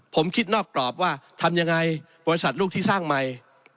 ผมคิดนอกกรอบว่าทำยังไงบริษัทลูกที่สร้างใหม่